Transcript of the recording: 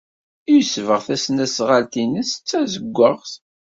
Yesbeɣ tasnasɣalt-nnes d tazewwaɣt.